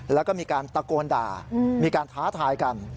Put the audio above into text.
แล้วก็มีการตะโกนด่ามีการท้าทายกัน